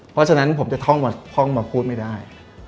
เพราะฉะนั้นผมจะท่องมาพูดไม่ได้